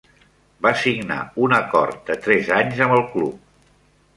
Va signar un acord de tres anys amb el club.